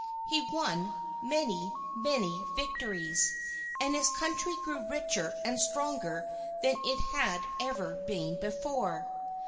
He won many, many victories, and his country grew richer and stronger than it had ever been before.